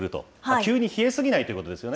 急に冷えすぎないということですね。